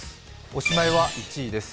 おしまいは１位です。